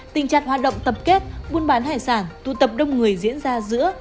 tình trạng hoạt động tập kết buôn bán hải sản tụ tập đông người diễn ra giữa